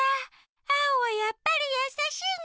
アオはやっぱりやさしいね。